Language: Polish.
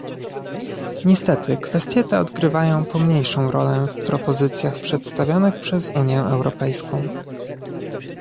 Niestety kwestie te odgrywają pomniejszą rolę w propozycjach przedstawionych przez Unię Europejską